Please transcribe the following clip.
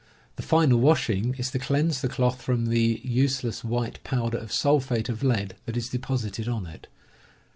The final washing is to cleanse the cloth from the useless white powder of sulphate of lead that is deposited on it.